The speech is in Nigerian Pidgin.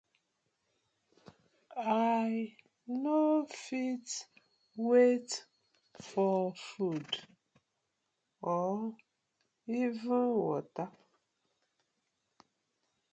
I no fit wait for food or even watta.